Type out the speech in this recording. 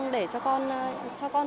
để cho con